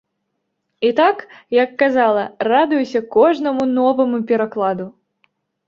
І так, як казала, радуюся кожнаму новаму перакладу.